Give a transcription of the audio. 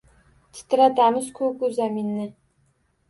Titratamiz ko’ku zaminni.